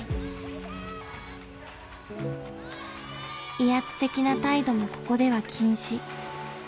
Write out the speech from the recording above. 威圧的な態度もここでは禁止。